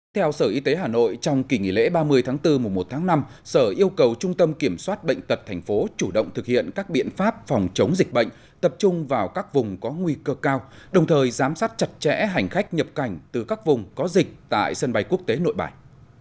theo sở y tế hà nội trong kỳ nghỉ lễ ba mươi tháng bốn mùa một tháng năm sở yêu cầu trung tâm kiểm soát bệnh tật tp chủ động thực hiện các biện pháp phòng chống dịch bệnh tập trung vào các vùng có nguy cơ cao đồng thời giám sát chặt chẽ hành khách nhập cảnh từ các vùng có dịch tại sân bay quốc tế nội bài